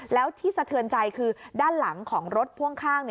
แล้วที่สะเทือนใจคือด้านหลังของรถพ่วงข้าง